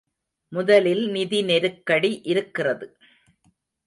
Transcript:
முதலில் நிதி நெருக்கடி இருக்கிறது.